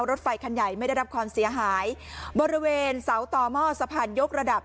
รถไฟคันใหญ่ไม่ได้รับความเสียหายบริเวณเสาต่อหม้อสะพานยกระดับ